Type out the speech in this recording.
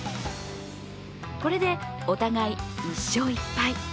これでお互い１勝１敗。